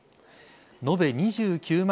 のべ２９万